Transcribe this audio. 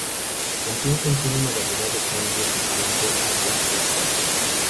La canción contiene una variedad de cambios de tempo y riffs de guitarra.